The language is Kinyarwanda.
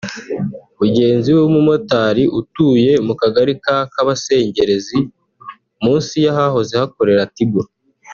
Mugenzi we w’umumotari utuye mu Kagali ka Kabasengerezi munsi y’ahahoze hakorera Tigo